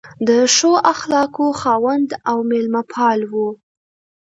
د ښو اخلاقو خاوند او مېلمه پال و.